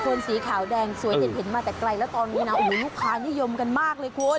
สีขาวแดงสวยเห็นมาแต่ไกลแล้วตอนนี้นะโอ้โหลูกค้านิยมกันมากเลยคุณ